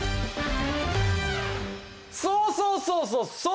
そうそうそうそうそう！